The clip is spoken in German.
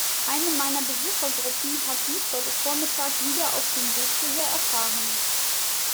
Eine meiner Besuchergruppen hat dies heute vormittag wieder auf dem Weg hierher erfahren.